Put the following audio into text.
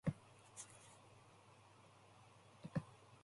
The organisation is also strongly opposed towards patriotism and nationalism.